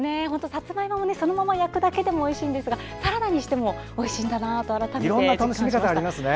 さつまいもはそのまま焼くだけでもおいしいんですがサラダにしてもおいしいんだなと改めて感じました。